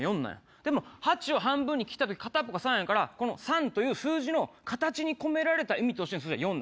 でも８を半分に切ったとき、片っぽが３やから、この３という数字の形に込められた意味としては数字は４なの。